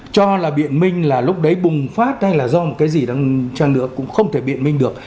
cho là biện minh là lúc đấy bùng phát hay là do một cái gì đang chăn nữa cũng không thể biện minh được